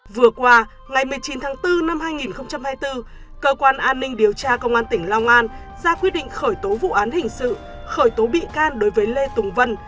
vừa qua ngày một mươi chín tháng bốn năm hai nghìn hai mươi bốn cơ quan an ninh điều tra công an tỉnh long an ra quyết định khởi tố vụ án hình sự khởi tố bị can đối với lê tùng vân